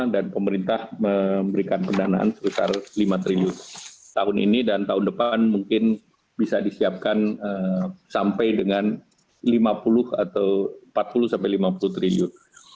dan pemerintah memberikan pendanaan sebesar lima triliun tahun ini dan tahun depan mungkin bisa disiapkan sampai dengan empat puluh sampai lima puluh triliun